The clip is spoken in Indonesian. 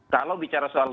kalau bicara soal